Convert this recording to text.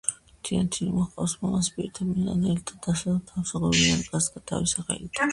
თინათინ მოჰყავს მამასა, პირითა მით ნათელითა, დასვა და თავსა გვირგვინი გასდგა თვისა ხელითა.